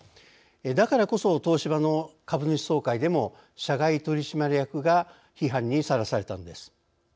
だからこそ東芝の株主総会でも社外取締役が批判にさらされたわけです。